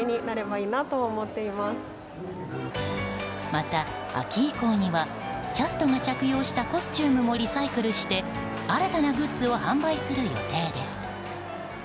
また、秋以降にはキャストが着用したコスチュームもリサイクルして新たなグッズを販売する予定です。